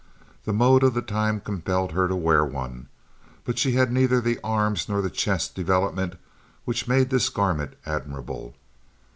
The mode of the time compelled her to wear one; but she had neither the arms nor the chest development which made this garment admirable.